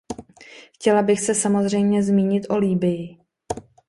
Chtěla bych se samozřejmě zmínit o Libyi.